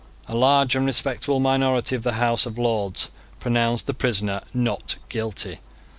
A large and respectable minority of the House of Lords pronounced the prisoner not guilty.